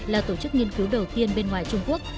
là tổ chức nghiên cứu đầu tiên bên ngoài trung quốc